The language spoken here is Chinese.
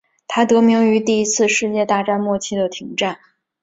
它得名于第一次世界大战末期的停战。